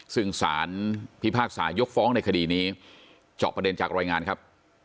ซึ่งสารพิพากษายกฟ้องในคดีนี้เจาะประเด็นจากรายงานครับ